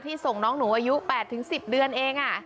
ส่งน้องหนูอายุ๘๑๐เดือนเอง